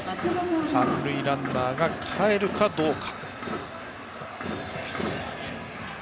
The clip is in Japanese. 三塁ランナーがかえるかどうか。